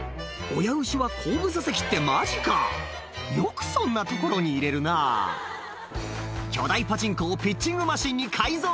親牛は後部座席ってマジかよくそんなところに入れるなぁ巨大パチンコをピッチングマシンに改造